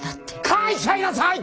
書いちゃいなさい！